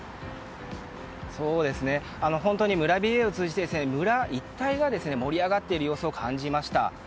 本当に村ＢＡを通じて村一帯が盛り上がっている様子を感じました。